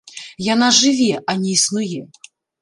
Яна жыве, а не існуе.